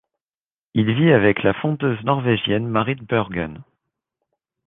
Il vit avec la fondeuse norvégienne Marit Bjørgen.